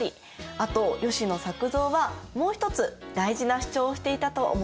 あと吉野作造はもう一つ大事な主張をしていたと思うんだけど。